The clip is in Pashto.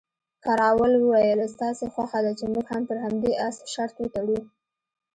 کراول وویل، ستاسې خوښه ده چې موږ هم پر همدې اس شرط وتړو؟